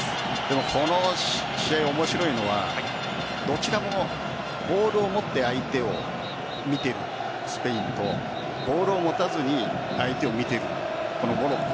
この試合、面白いのはどちらもボールを持って相手を見ているスペインとボールを持たずに相手を見ているモロッコ。